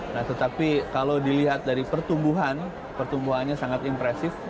nah tetapi kalau dilihat dari pertumbuhan pertumbuhannya sangat impresif